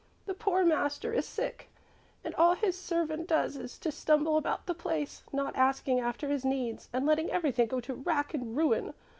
"The poor master is sick, and all his servant does is to stumble about the place, not asking after his needs and letting everything go to rack and ruin.